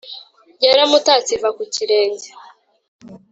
Yaramutatse iva ku kirenge